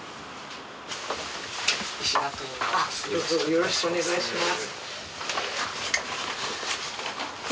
よろしくお願いします。